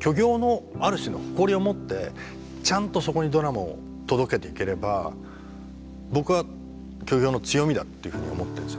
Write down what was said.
虚業のある種の誇りを持ってちゃんとそこにドラマを届けていければ僕は虚業の強みだっていうふうに思ってるんですよね。